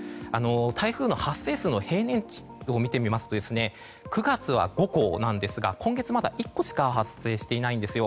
台風の発生数の平年値を見てみますと９月は５個なんですが今月は、まだ１個しか発生していないんですよ。